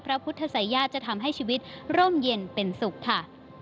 พระพุทธศัยญาติจะทำให้ชีวิตร่มเย็นเป็นสุขค่ะ